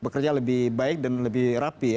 bekerja lebih baik dan lebih rapi